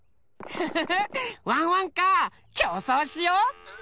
フフフワンワンカーきょうそうしよう。